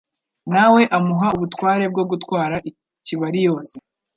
nawe amuha Ubutware bwo gutwara Kibari yose